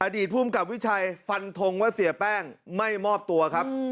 ดีตภูมิกับวิชัยฟันทงว่าเสียแป้งไม่มอบตัวครับ